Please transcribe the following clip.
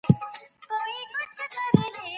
علم هيڅکله زوړ نه دی.